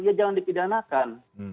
ya jangan dipidanakan